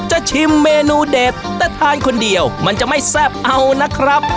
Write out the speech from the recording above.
จะชิมเมนูเด็ดแต่ทานคนเดียวมันจะไม่แซ่บเอานะครับ